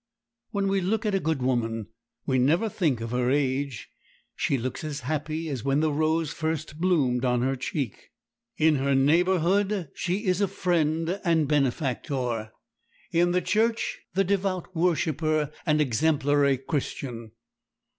When we look at a good woman we never think of her age; she looks as happy as when the rose first bloomed on her cheek. In her neighborhood she is a friend and benefactor; in the Church, the devout worshiper and exemplary Christian.